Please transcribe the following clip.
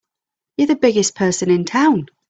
You're the biggest person in town!